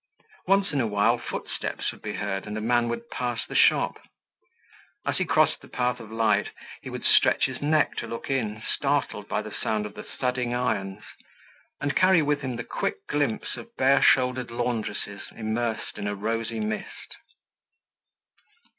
Once in a while, footsteps would be heard and a man would pass the shop. As he crossed the path of light he would stretch his neck to look in, startled by the sound of the thudding irons, and carry with him the quick glimpse of bare shouldered laundresses immersed in a rosy mist.